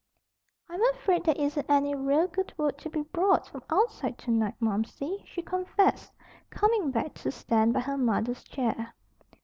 "I'm afraid there isn't any real good word to be brought from outside tonight, Momsey," she confessed, coming back to stand by her mother's chair.